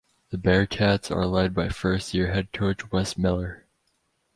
The Bearcats are led by first year head coach Wes Miller.